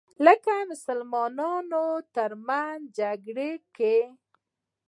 لکه مسلمانانو تر منځ جګړو کې